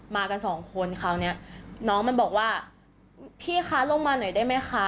มากันสองคนคราวนี้น้องมันบอกว่าพี่คะลงมาหน่อยได้ไหมคะ